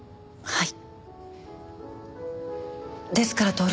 はい。